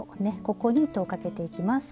ここに糸をかけていきます。